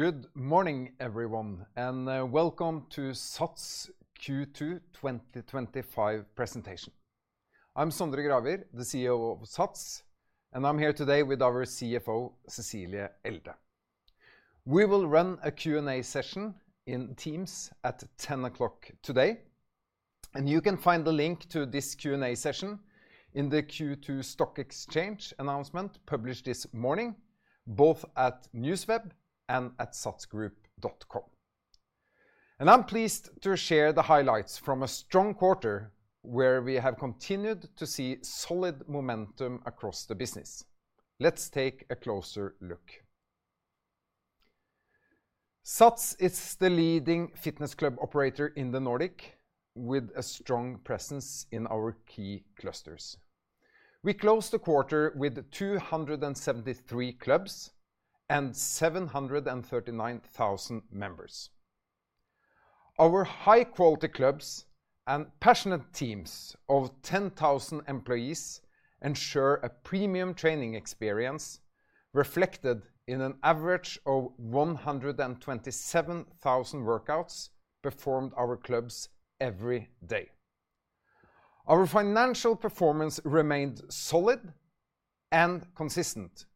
Good morning, everyone, and welcome to SATS Q2 2025 Presentation. I'm Sondre Gravir, the CEO of SATS, and I'm here today with our CFO, Cecilie Elde. We will run a Q&A session in Teams at 10:00 A.M. today, and you can find the link to this Q&A session in the Q2 Stock Exchange announcement published this morning, both at NewsWeb and at sats.group.com. I'm pleased to share the highlights from a strong quarter where we have continued to see solid momentum across the business. Let's take a closer look. SATS is the leading fitness club operator in the Nordics with a strong presence in our key clusters. We closed the quarter with 273 clubs and 739,000 members. Our high-quality clubs and passionate teams of 10,000 employees ensure a premium training experience reflected in an average of 127,000 workouts performed at our clubs every day. Our financial performance remained solid and consistent,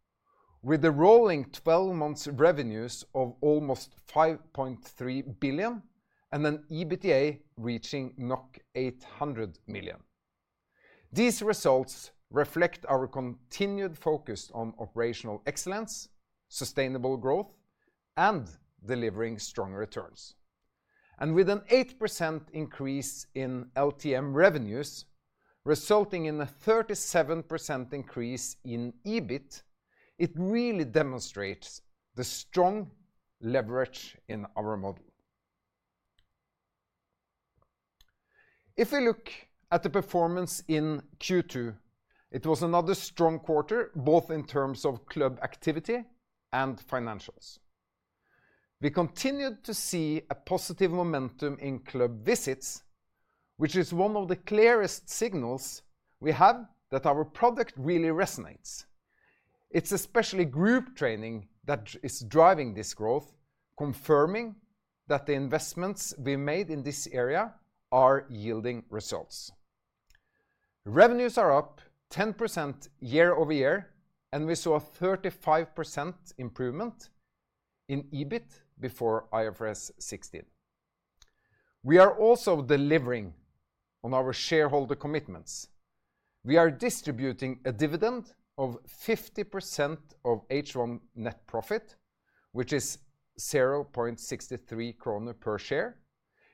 with a rolling 12-month revenue of almost 5.3 billion and an EBITDA reaching 800 million. These results reflect our continued focus on operational excellence, sustainable growth, and delivering strong returns. With an 8% increase in LTM revenues, resulting in a 37% increase in EBIT, it really demonstrates the strong leverage in our model. If we look at the performance in Q2, it was another strong quarter, both in terms of club activity and financials. We continued to see a positive momentum in club visits, which is one of the clearest signals we have that our product really resonates. It's especially group training that is driving this growth, confirming that the investments we made in this area are yielding results. Revenues are up 10% year-over-year, and we saw a 35% improvement in EBIT before IFRS 16. We are also delivering on our shareholder commitments. We are distributing a dividend of 50% of H1 net profit, which is 0.63 kroner per share,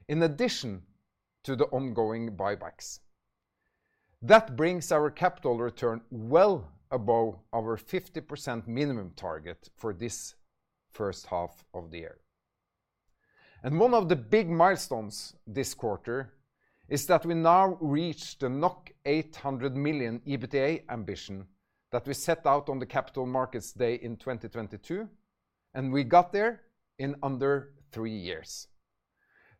in addition to the ongoing buybacks. That brings our capital return well above our 50% minimum target for this first half of the year. One of the big milestones this quarter is that we now reached the 800 million EBITDA ambition that we set out on the Capital Markets Day in 2022, and we got there in under three years.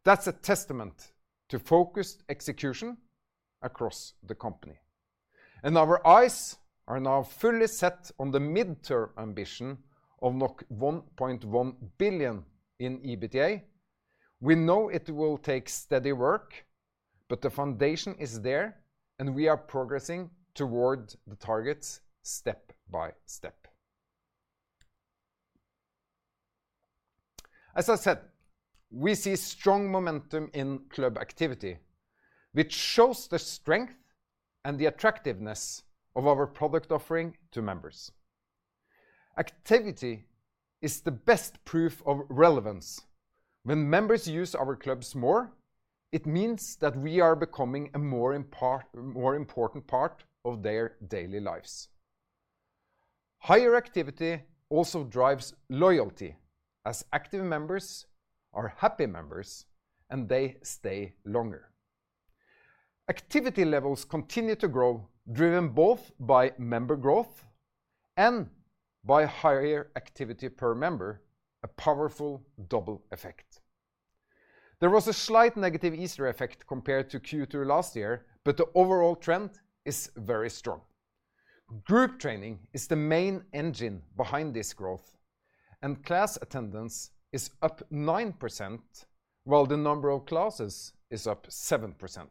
That's a testament to focused execution across the company. Our eyes are now fully set on the mid-term ambition of 1.1 billion in EBITDA. We know it will take steady work, but the foundation is there, and we are progressing toward the targets step by step. As I said, we see strong momentum in club activity, which shows the strength and the attractiveness of our product offering to members. Activity is the best proof of relevance. When members use our clubs more, it means that we are becoming a more important part of their daily lives. Higher activity also drives loyalty, as active members are happy members, and they stay longer. Activity levels continue to grow, driven both by member growth and by higher activity per member, a powerful double effect. There was a slight negative Easter effect compared to Q2 last year, but the overall trend is very strong. Group training is the main engine behind this growth, and class attendance is up 9% while the number of classes is up 7%.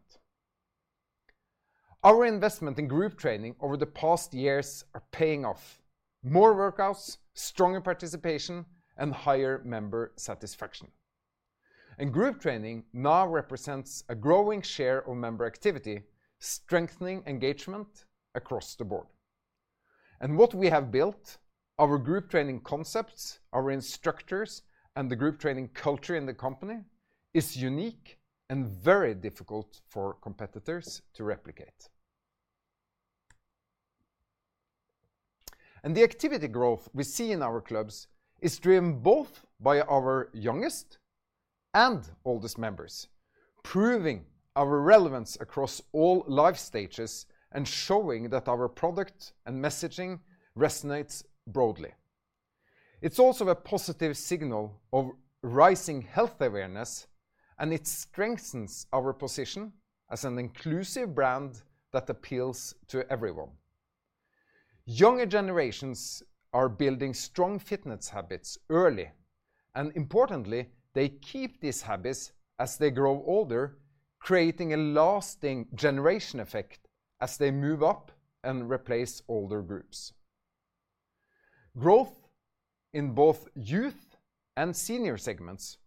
Our investment in group training over the past years is paying off: more workouts, stronger participation, and higher member satisfaction. Group training now represents a growing share of member activity, strengthening engagement across the board. What we have built, our group training concepts, our instructors, and the group training culture in the company is unique and very difficult for competitors to replicate. The activity growth we see in our clubs is driven both by our youngest and oldest members, proving our relevance across all life stages and showing that our product and messaging resonate broadly. It's also a positive signal of rising health awareness, and it strengthens our position as an inclusive brand that appeals to everyone. Younger generations are building strong fitness habits early, and importantly, they keep these habits as they grow older, creating a lasting generation effect as they move up and replace older groups. Growth in both youth and senior segments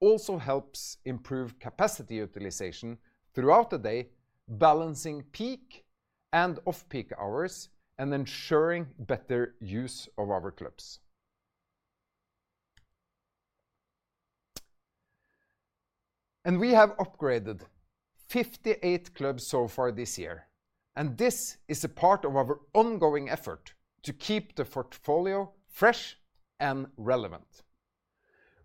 also helps improve capacity utilization throughout the day, balancing peak and off-peak hours and ensuring better use of our clubs. We have upgraded 58 clubs so far this year, and this is a part of our ongoing effort to keep the portfolio fresh and relevant.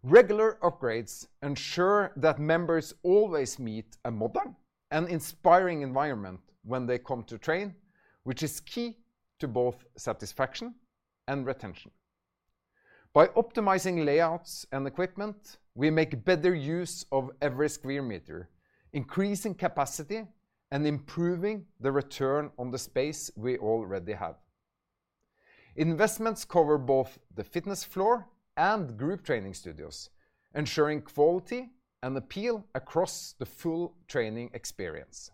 Regular upgrades ensure that members always meet a modern and inspiring environment when they come to train, which is key to both satisfaction and retention. By optimizing layouts and equipment, we make better use of every square meter, increasing capacity and improving the return on the space we already have. Investments cover both the fitness floor and group training studios, ensuring quality and appeal across the full training experience.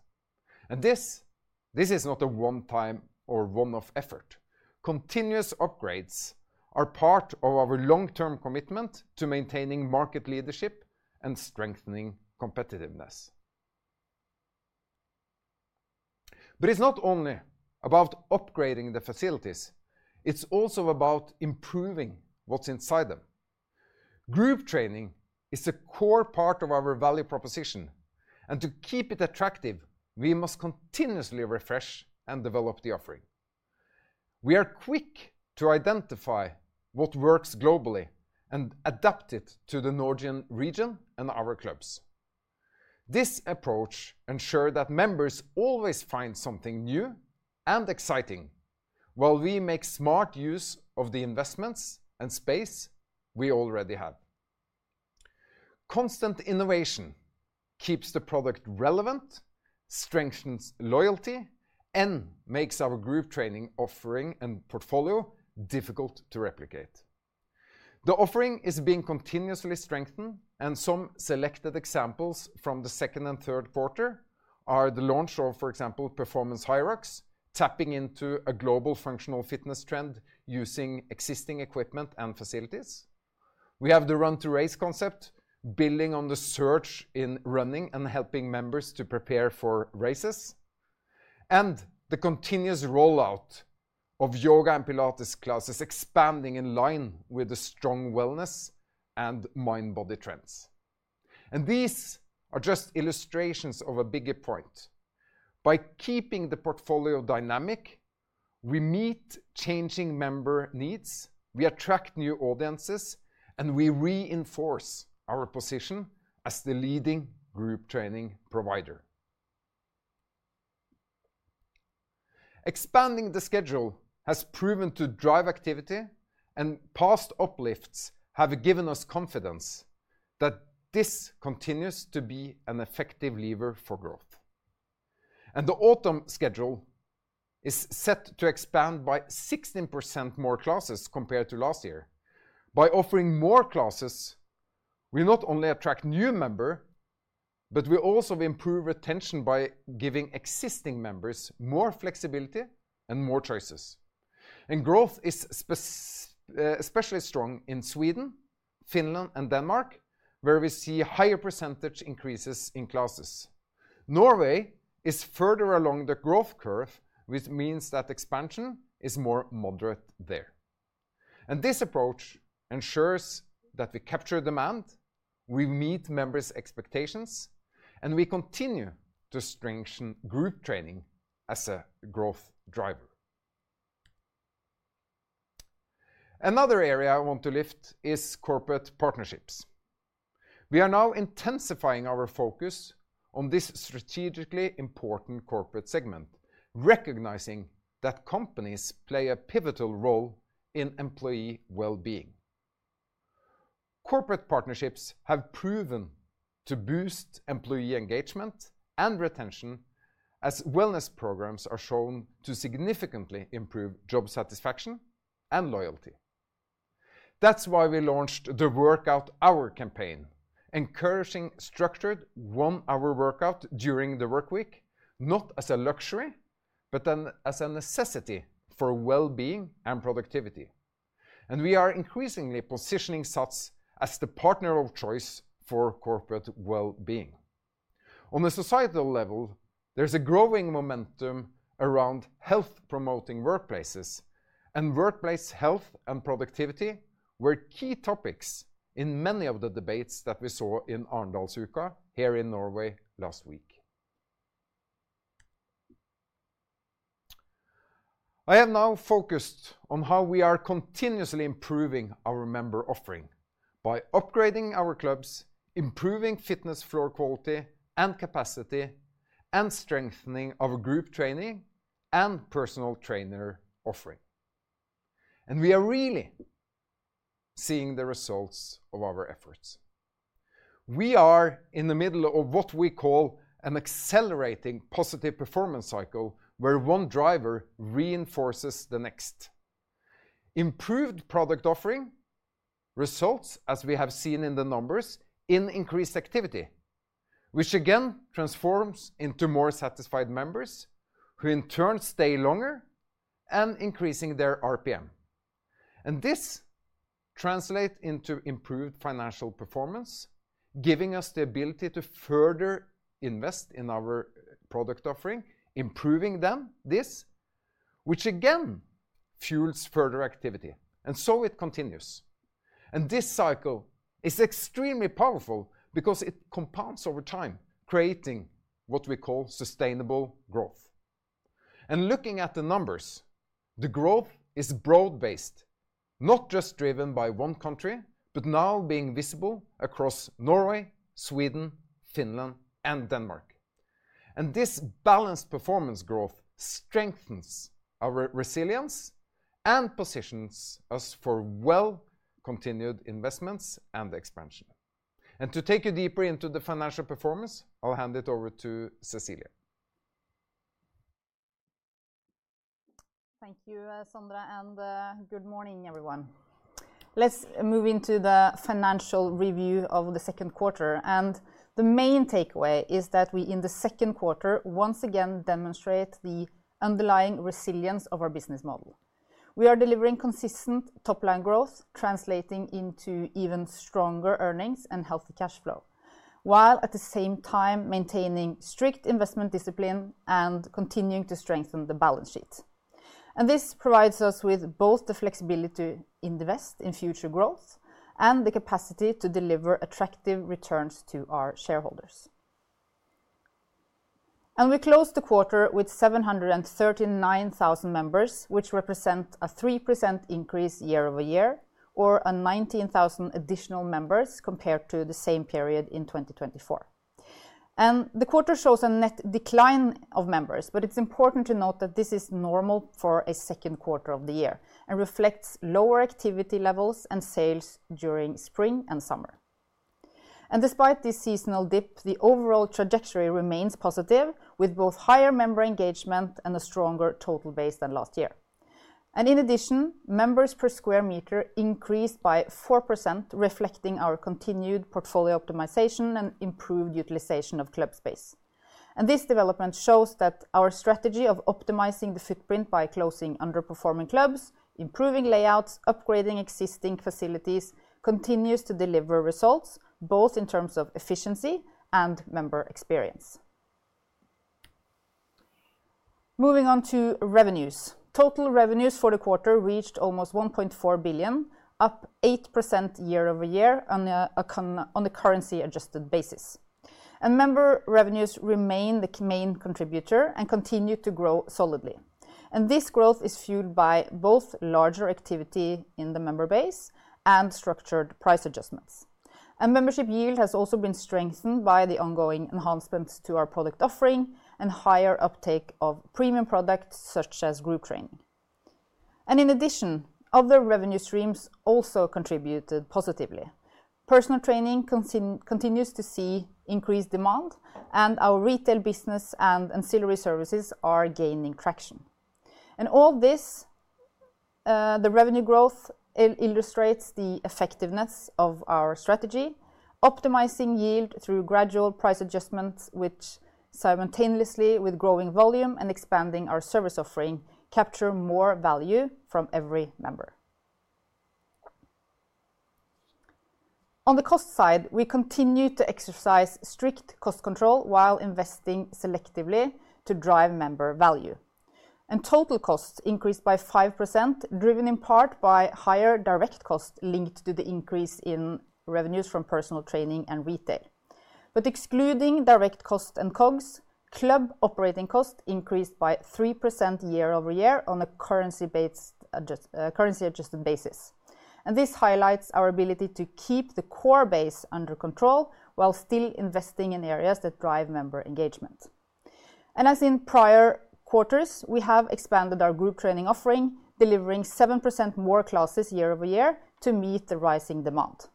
This is not a one-time or one-off effort. Continuous upgrades are part of our long-term commitment to maintaining market leadership and strengthening competitiveness. It's not only about upgrading the facilities, it's also about improving what's inside them. Group training is a core part of our value proposition, and to keep it attractive, we must continuously refresh and develop the offering. We are quick to identify what works globally and adapt it to the Nordic region and our clubs. This approach ensures that members always find something new and exciting while we make smart use of the investments and space we already have. Constant innovation keeps the product relevant, strengthens loyalty, and makes our group training offering and portfolio difficult to replicate. The offering is being continuously strengthened, and some selected examples from the second and third quarter are the launch of, for example, Performance HYROX, tapping into a global functional fitness trend using existing equipment and facilities. We have the Run to Race concept, building on the surge in running and helping members to prepare for races, and the continuous rollout of yoga and Pilates classes, expanding in line with the strong wellness and mind-body trends. These are just illustrations of a bigger point. By keeping the portfolio dynamic, we meet changing member needs, we attract new audiences, and we reinforce our position as the leading group training provider. Expanding the schedule has proven to drive activity, and past uplifts have given us confidence that this continues to be an effective lever for growth. The autumn schedule is set to expand by 16% more classes compared to last year. By offering more classes, we not only attract new members, we also improve retention by giving existing members more flexibility and more choices. Growth is especially strong in Sweden, Finland, and Denmark, where we see higher percentage increases in classes. Norway is further along the growth curve, which means that expansion is more moderate there. This approach ensures that we capture demand, we meet members' expectations, and we continue to strengthen group training as a growth driver. Another area I want to lift is corporate partnerships. We are now intensifying our focus on this strategically important corporate segment, recognizing that companies play a pivotal role in employee well-being. Corporate partnerships have proven to boost employee engagement and retention, as wellness programs are shown to significantly improve job satisfaction and loyalty. That's why we launched the Workout Hour campaign, encouraging structured one-hour workouts during the workweek, not as a luxury, but as a necessity for well-being and productivity. We are increasingly positioning SATS as the partner of choice for corporate well-being. On a societal level, there's a growing momentum around health-promoting workplaces, and workplace health and productivity were key topics in many of the debates that we saw in Arendalsuka here in Norway last week. I have now focused on how we are continuously improving our member offering by upgrading our clubs, improving fitness floor quality and capacity, and strengthening our group training and personal trainer offering. We are really seeing the results of our efforts. We are in the middle of what we call an accelerating positive performance cycle, where one driver reinforces the next. Improved product offering results, as we have seen in the numbers, in increased activity, which again transforms into more satisfied members, who in turn stay longer and increase their RPM. This translates into improved financial performance, giving us the ability to further invest in our product offering, improving them, which again fuels further activity, and so it continues. This cycle is extremely powerful because it compounds over time, creating what we call sustainable growth. Looking at the numbers, the growth is broad-based, not just driven by one country, but now being visible across Norway, Sweden, Finland, and Denmark. This balanced performance growth strengthens our resilience and positions us for well-continued investments and expansion. To take you deeper into the financial performance, I'll hand it over to Cecilie. Thank you, Sondre, and good morning, everyone. Let's move into the financial review of the second quarter. The main takeaway is that we, in the second quarter, once again demonstrate the underlying resilience of our business model. We are delivering consistent top-line growth, translating into even stronger earnings and healthy cash flow, while at the same time maintaining strict investment discipline and continuing to strengthen the balance sheet. This provides us with both the flexibility to invest in future growth and the capacity to deliver attractive returns to our shareholders. We closed the quarter with 739,000 members, which represents a 3% increase year-over-year, or 19,000 additional members compared to the same period in 2024. The quarter shows a net decline of members, but it's important to note that this is normal for a second quarter of the year and reflects lower activity levels and sales during spring and summer. Despite this seasonal dip, the overall trajectory remains positive, with both higher member engagement and a stronger total base than last year. In addition, members per square meter increased by 4%, reflecting our continued portfolio optimization and improved utilization of club space. This development shows that our strategy of optimizing the footprint by closing underperforming clubs, improving layouts, and upgrading existing facilities continues to deliver results, both in terms of efficiency and member experience. Moving on to revenues, total revenues for the quarter reached almost 1.4 billion, up 8% year-over-year on a currency-adjusted basis. Member revenues remain the main contributor and continue to grow solidly. This growth is fueled by both larger activity in the member base and structured price adjustments. Membership yield has also been strengthened by the ongoing enhancements to our product offering and higher uptake of premium products such as group training. In addition, other revenue streams also contributed positively. Personal training continues to see increased demand, and our retail business and ancillary services are gaining traction. All this, the revenue growth illustrates the effectiveness of our strategy, optimizing yield through gradual price adjustments, which simultaneously, with growing volume and expanding our service offering, capture more value from every member. On the cost side, we continue to exercise strict cost control while investing selectively to drive member value. Total costs increased by 5%, driven in part by higher direct costs linked to the increase in revenues from personal training and retail. Excluding direct costs and COGS, club operating costs increased by 3% year-over-year on a currency-adjusted basis. This highlights our ability to keep the core base under control while still investing in areas that drive member engagement. As in prior quarters, we have expanded our group training offering, delivering 7% more classes year-over-year to meet the rising demand.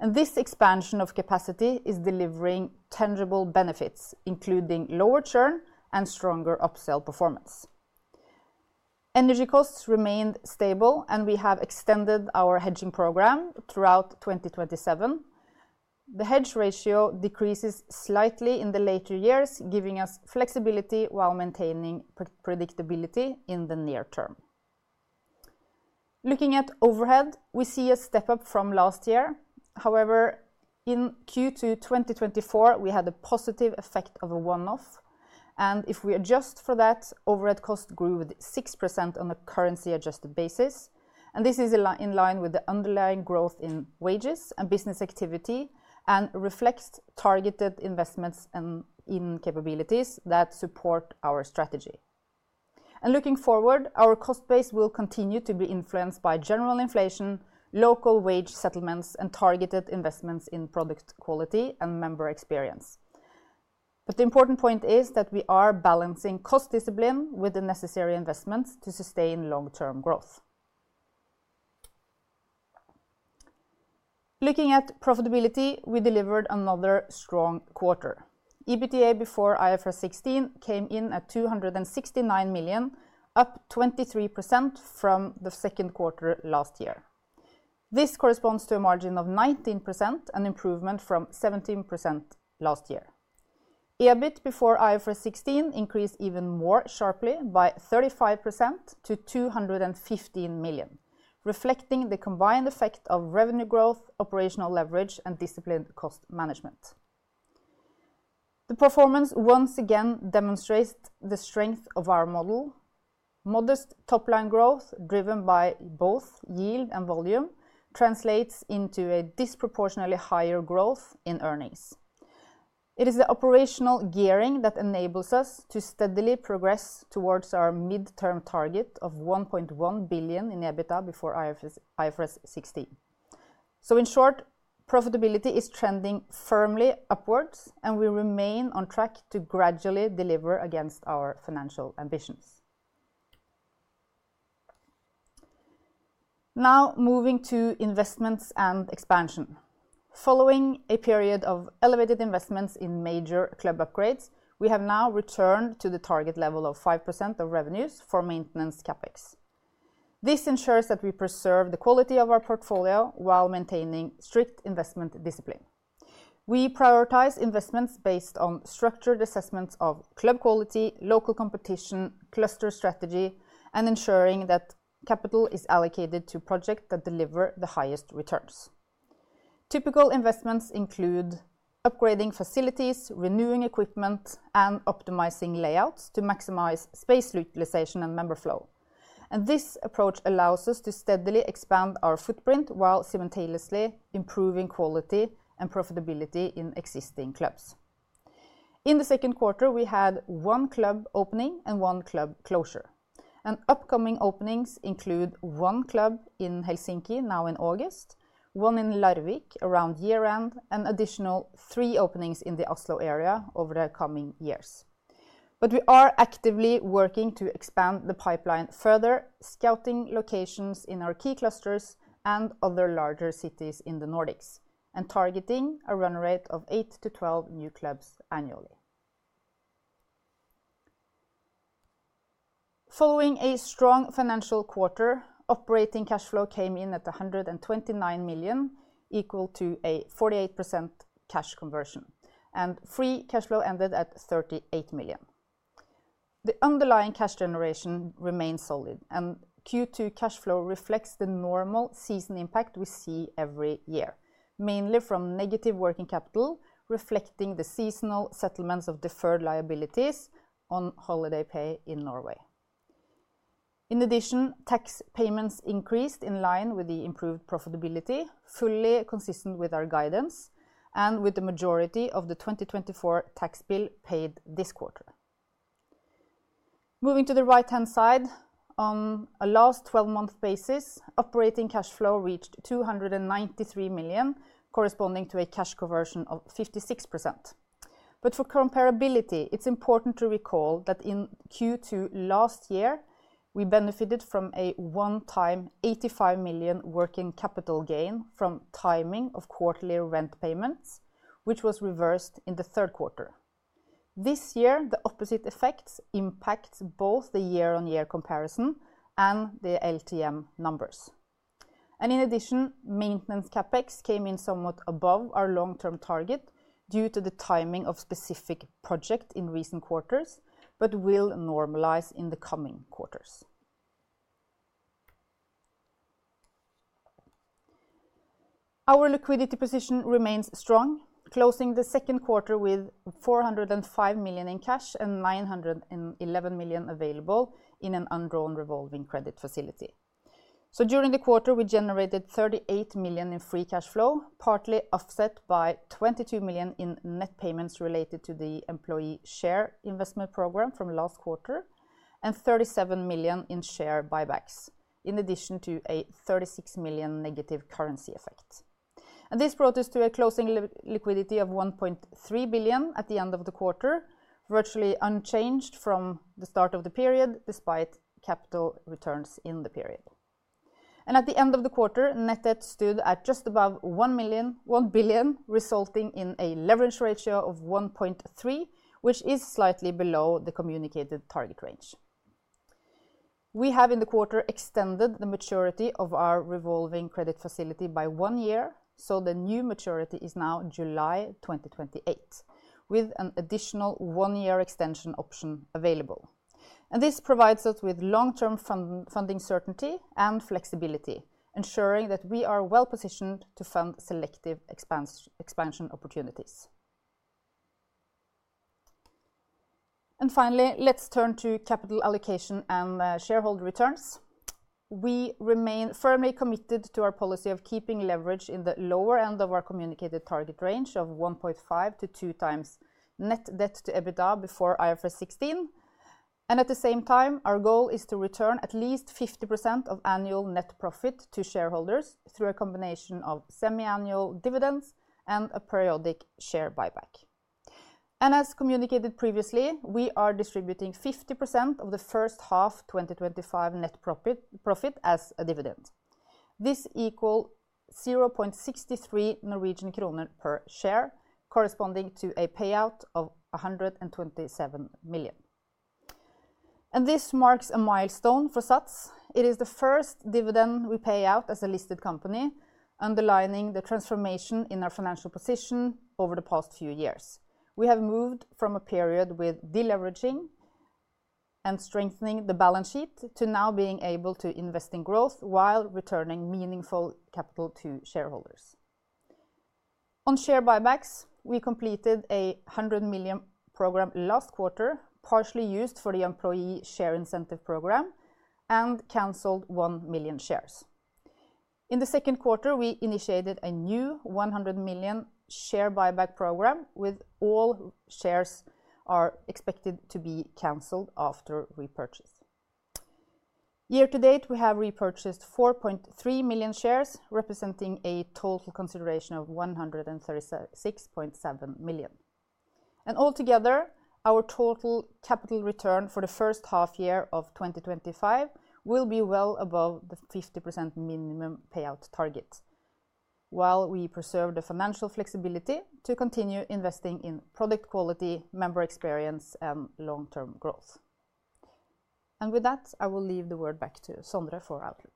This expansion of capacity is delivering tangible benefits, including lower churn and stronger upsell performance. Energy costs remained stable, and we have extended our hedging program throughout 2027. The hedge ratio decreases slightly in the later years, giving us flexibility while maintaining predictability in the near term. Looking at overhead, we see a step up from last year. However, in Q2 2024, we had a positive effect of a one-off. If we adjust for that, overhead costs grew with 6% on a currency-adjusted basis. This is in line with the underlying growth in wages and business activity and reflects targeted investments in capabilities that support our strategy. Looking forward, our cost base will continue to be influenced by general inflation, local wage settlements, and targeted investments in product quality and member experience. The important point is that we are balancing cost discipline with the necessary investments to sustain long-term growth. Looking at profitability, we delivered another strong quarter. EBITDA before IFRS 16 came in at 269 million, up 23% from the second quarter last year. This corresponds to a margin of 19%, an improvement from 17% last year. EBIT before IFRS 16 increased even more sharply by 35% to 215 million, reflecting the combined effect of revenue growth, operational leverage, and disciplined cost management. The performance once again demonstrates the strength of our model. Modest top-line growth, driven by both yield and volume, translates into a disproportionately higher growth in earnings. It is the operational gearing that enables us to steadily progress towards our mid-term target of 1.1 billion in EBITDA before IFRS 16. In short, profitability is trending firmly upwards, and we remain on track to gradually deliver against our financial ambitions. Now moving to investments and expansion. Following a period of elevated investments in major club upgrades, we have now returned to the target level of 5% of revenues for maintenance capex. This ensures that we preserve the quality of our portfolio while maintaining strict investment discipline. We prioritize investments based on structured assessments of club quality, local competition, cluster strategy, and ensuring that capital is allocated to projects that deliver the highest returns. Typical investments include upgrading facilities, renewing equipment, and optimizing layouts to maximize space utilization and member flow. This approach allows us to steadily expand our footprint while simultaneously improving quality and profitability in existing clubs. In the second quarter, we had one club opening and one club closure. Upcoming openings include one club in Helsinki now in August, one in Larvik around year-end, and an additional three openings in the Oslo area over the coming years. We are actively working to expand the pipeline further, scouting locations in our key clusters and other larger cities in the Nordics, and targeting a run rate of 8 to 12 new clubs annually. Following a strong financial quarter, operating cash flow came in at 129 million, equal to a 48% cash conversion, and free cash flow ended at 38 million. The underlying cash generation remains solid, and Q2 cash flow reflects the normal season impact we see every year, mainly from negative working capital, reflecting the seasonal settlements of deferred liabilities on holiday pay in Norway. In addition, tax payments increased in line with the improved profitability, fully consistent with our guidance and with the majority of the 2024 tax bill paid this quarter. Moving to the right-hand side, on a last twelve-month basis, operating cash flow reached 293 million, corresponding to a cash conversion of 56%. For comparability, it's important to recall that in Q2 last year, we benefited from a one-time 85 million working capital gain from timing of quarterly rent payments, which was reversed in the third quarter. This year, the opposite effects impact both the year-on-year comparison and the LTM numbers. In addition, maintenance capex came in somewhat above our long-term target due to the timing of specific projects in recent quarters, but will normalize in the coming quarters. Our liquidity position remains strong, closing the second quarter with 405 million in cash and 911 million available in an undrawn revolving credit facility. During the quarter, we generated 38 million in free cash flow, partly offset by 22 million in net payments related to the employee share investment program from last quarter, and 37 million in share buybacks, in addition to a 36 million negative currency effect. This brought us to a closing liquidity of 1.3 billion at the end of the quarter, virtually unchanged from the start of the period, despite capital returns in the period. At the end of the quarter, net debt stood at just above 1 billion, resulting in a leverage ratio of 1.3, which is slightly below the communicated target range. We have in the quarter extended the maturity of our revolving credit facility by one year. The new maturity is now July 2028, with an additional one-year extension option available. This provides us with long-term funding certainty and flexibility, ensuring that we are well-positioned to fund selective expansion opportunities. Finally, let's turn to capital allocation and shareholder returns. We remain firmly committed to our policy of keeping leverage in the lower end of our communicated target range of 1.5 to 2x net debt to EBITDA before IFRS 16. At the same time, our goal is to return at least 50% of annual net profit to shareholders through a combination of semi-annual dividends and a periodic share buyback. As communicated previously, we are distributing 50% of the first half 2025 net profit as a dividend. This equals 0.63 Norwegian kroner per share, corresponding to a payout of 127 million. This marks a milestone for SATS. It is the first dividend we pay out as a listed company, underlining the transformation in our financial position over the past few years. We have moved from a period with deleveraging and strengthening the balance sheet to now being able to invest in growth while returning meaningful capital to shareholders. On share buybacks, we completed a 100 million program last quarter, partially used for the employee share incentive program, and canceled 1 million shares. In the second quarter, we initiated a new 100 million share buyback program, with all shares expected to be canceled after repurchase. Year to date, we have repurchased 4.3 million shares, representing a total consideration of 136.7 million. Altogether, our total capital return for the first half year of 2025 will be well above the 50% minimum payout target, while we preserve the financial flexibility to continue investing in product quality, member experience, and long-term growth. With that, I will leave the word back to Sondre for outlook.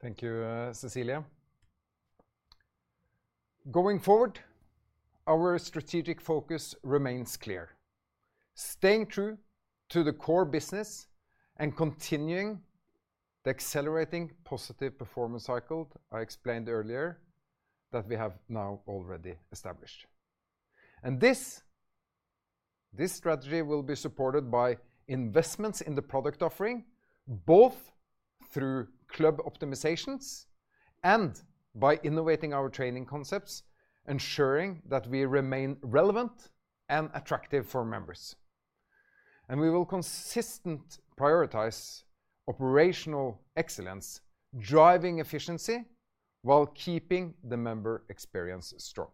Thank you, Cecilie. Going forward, our strategic focus remains clear. Staying true to the core business and continuing the accelerating positive performance cycle I explained earlier that we have now already established. This strategy will be supported by investments in the product offering, both through club optimizations and by innovating our training concepts, ensuring that we remain relevant and attractive for members. We will consistently prioritize operational excellence, driving efficiency while keeping the member experience strong.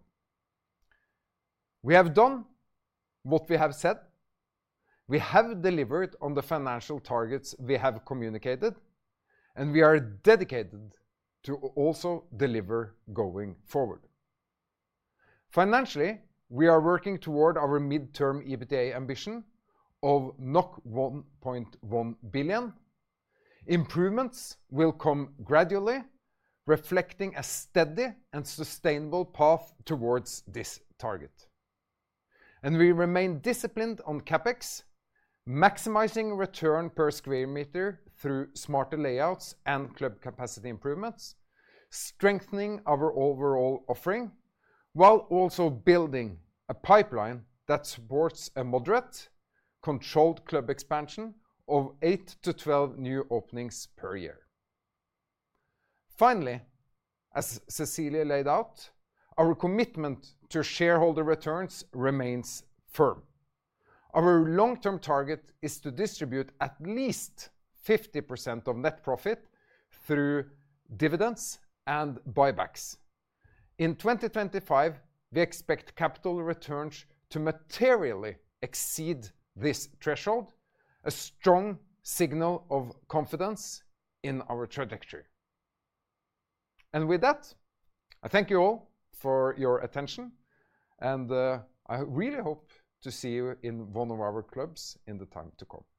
We have done what we have said. We have delivered on the financial targets we have communicated, and we are dedicated to also deliver going forward. Financially, we are working toward our mid-term EBITDA ambition of 1.1 billion. Improvements will come gradually, reflecting a steady and sustainable path toward this target. We remain disciplined on capex, maximizing return per square meter through smarter layouts and club capacity improvements, strengthening our overall offering, while also building a pipeline that supports a moderate, controlled club expansion of 8 to 12 new openings per year. Finally, as Cecilie laid out, our commitment to shareholder returns remains firm. Our long-term target is to distribute at least 50% of net profit through dividends and buybacks. In 2025, we expect capital returns to materially exceed this threshold, a strong signal of confidence in our trajectory. With that, I thank you all for your attention, and I really hope to see you in one of our clubs in the time to come. Thank you.